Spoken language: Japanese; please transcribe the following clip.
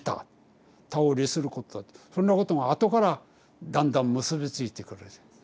そんなことがあとからだんだん結び付いてくるんです。